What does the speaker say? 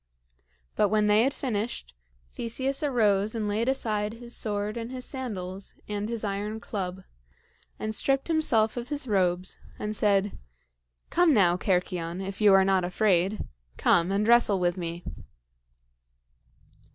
But when they had finished, Theseus arose and laid aside his sword and his sandals and his iron club, and stripped himself of his robes, and said: "Come now, Cercyon, if you are not afraid; come, and wrestle with me."